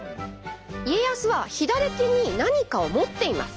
家康は左手に何かを持っています。